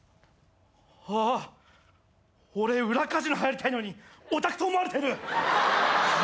俺裏カジノ入りたいのにオタクと思われてる。